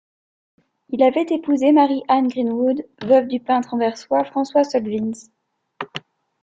Il avait épousé Marie-Anne Greenwood, veuve du peintre anversois François Solvyns.